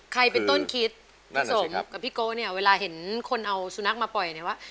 เป็นต้นคิดพี่สมกับพี่โก้เนี่ยเวลาเห็นคนเอาสุนัขมาปล่อยเนี่ยว่า